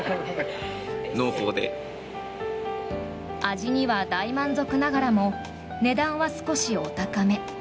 味には大満足ながらも値段は少しお高め。